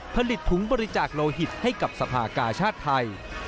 ผลิตถุงบริจาคโลหิตให้กับสภากาชาติไทย